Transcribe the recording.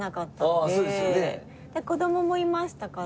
で子供もいましたから。